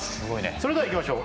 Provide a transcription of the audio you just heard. それではいきましょう